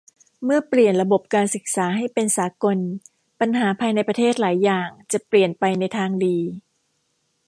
เมื่อเปลี่ยนระบบการศึกษาให้เป็นสากลปัญหาภายในประเทศหลายอย่างจะเปลี่ยนไปในทางดี